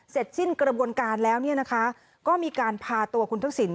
เสร็จสิ้นกระบวนการแล้วเนี่ยนะคะก็มีการพาตัวคุณทักษิณ